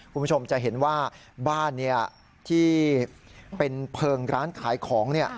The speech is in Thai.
คุณผู้ชมจะเห็นว่าบ้านที่เป็นเพลิงร้านขายของ